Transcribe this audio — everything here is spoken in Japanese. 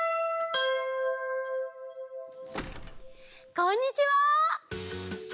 こんにちは！